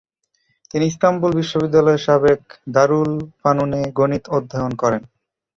তিনি ইস্তাম্বুল বিশ্ববিদ্যালয়ের সাবেক দারুল ফানুনে গণিত অধ্যয়ন করেন।